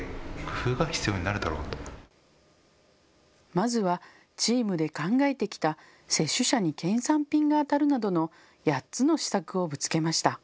まずはチームで考えてきた接種者に県産品が当たるなどの８つの施策をぶつけました。